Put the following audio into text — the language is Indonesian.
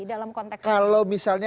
dalam konteks kalau misalnya